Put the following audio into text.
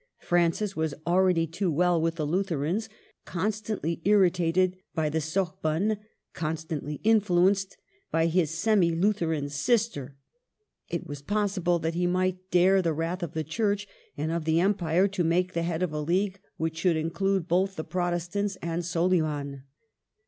Francis was already too well with the Lutherans ; constantly irritated by the Sorbonne, constantly influenced by his semi Lutheran sister, it was possible that he might dare the wrath of the Church and of the Em pire to make the head of a league which should include both the Protestants and Soliman.